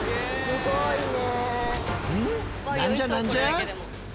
すごいね。